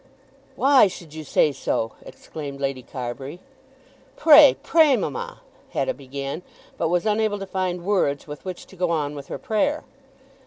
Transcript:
"Why should you say so?" exclaimed Lady Carbury. "Pray, pray, mamma ," Hetta began, but was unable to find words with which to go on with her prayer.